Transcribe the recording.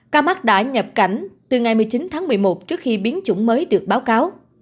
ca mắc đã nhập cảnh từ ngày một mươi chín tháng một mươi một trước khi biến chủng mới được báo cáo